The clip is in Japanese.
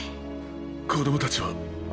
子供たちは？